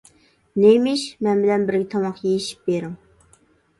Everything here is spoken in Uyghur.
نېمە ئىش؟ -مەن بىلەن بىرگە تاماق يېيىشىپ بېرىڭ.